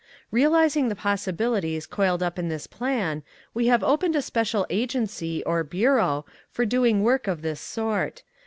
Realizing the possibilities coiled up in this plan, we have opened a special agency or bureau for doing work of this sort.